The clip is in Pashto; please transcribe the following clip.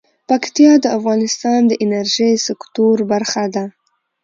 پکتیا د افغانستان د انرژۍ سکتور برخه ده.